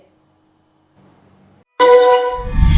cảnh sát điều tra bộ công an